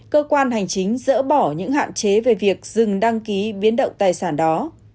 cơ quan hành chính dỡ bỏ những hạn chế về việc dừng đăng ký biến động tài sản đó